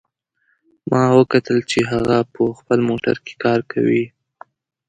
ما وکتل چې هغه په خپل موټر کې کار کوي